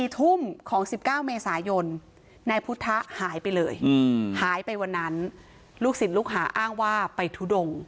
๔ทุ่มของ๑๙เมษายนนายพุทธหายไปเลยหายไปวันนั้นลูกศิษย์ลูกหาอ้างว่าไปทุดง